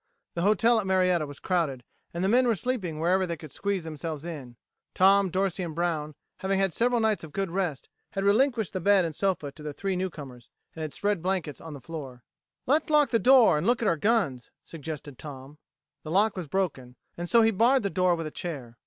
The hotel at Marietta was crowded, and the men were sleeping wherever they could squeeze themselves in. Tom, Dorsey, and Brown, having had several nights of good rest, had relinquished the bed and sofa to the three newcomers, and had spread blankets on the floor. "Let's lock the door, and look at our guns," suggested Tom. The lock was broken, and so he barred the door with a chair.